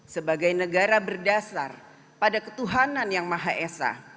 sebagai negara berdasar pada ketuhanan yang maha esa